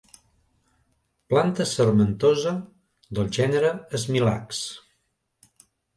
Planta sarmentosa del gènere Smilax.